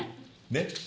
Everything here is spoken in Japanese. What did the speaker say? ねっ。